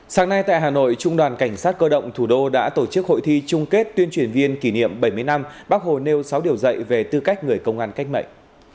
sáng nay tại hà nội trung đoàn cảnh sát cơ động thủ đô đã tổ chức hội thi trung kết tuyên truyền viên kỷ niệm bảy mươi năm bắc hồ nêu sáu điều dạy về tư cách người công an cách mệnh